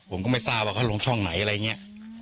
ผมก็ไม่ทราบว่าเขาลงช่องไหนอะไรอย่างนี้